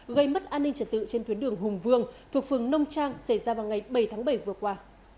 gây mất an ninh trật tự trên tuyến đường hùng vương thuộc phường nông trang xảy ra vào ngày bảy tháng bảy vừa qua